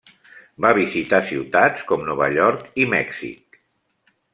Va visitar ciutats com Nova York i Mèxic.